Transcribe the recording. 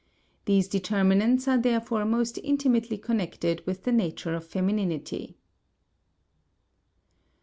These determinants are therefore most intimately connected with the nature of femininity.